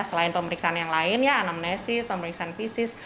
selain pemeriksaan yang lain anamnesis pemeriksaan fisis